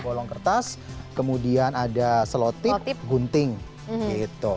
bolong kertas kemudian ada selotip gunting gitu